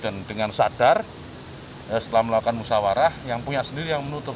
dan dengan sadar setelah melakukan musawarah yang punya sendiri yang menutup